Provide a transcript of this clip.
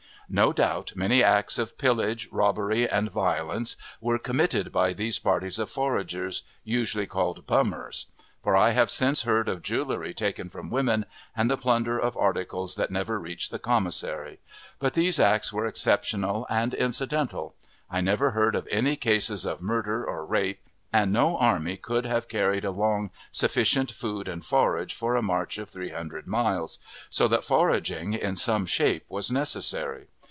No doubt, many acts of pillage, robbery, and violence, were committed by these parties of foragers, usually called "bummers;" for I have since heard of jewelry taken from women, and the plunder of articles that never reached the commissary; but these acts were exceptional and incidental. I never heard of any cases of murder or rape; and no army could have carried along sufficient food and forage for a march of three hundred miles; so that foraging in some shape was necessary.